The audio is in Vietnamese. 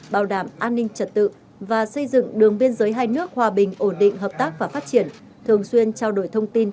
bảo đảm an ninh trật tự và xây dựng đường biên giới hai nước hòa bình ổn định hợp tác và phát triển thường xuyên trao đổi thông tin